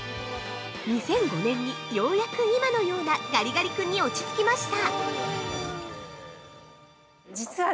２００５年にようやく今のようなガリガリ君に落ち着きました◆